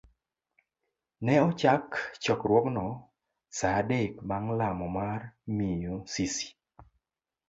Ne ochak chokruogno sa adek bang' lamo mar miyo Sisi.